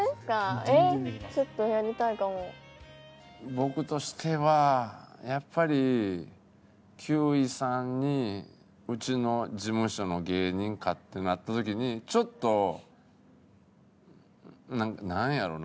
僕としてはやっぱり休井さんにうちの事務所の芸人かってなった時にちょっとなんかなんやろうな？